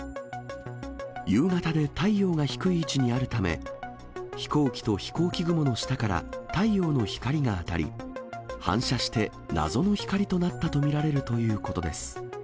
夕方で太陽が低い位置にあるため、飛行機と飛行機雲の下から太陽の光が当たり、反射して謎の光となったと見られるということです。